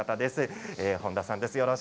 本田さんです。